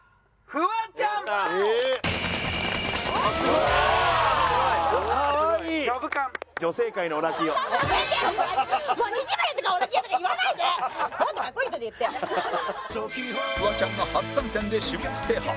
フワちゃんが初参戦で種目制覇